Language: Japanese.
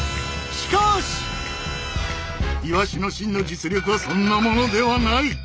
イワシの真の実力はそんなものではない！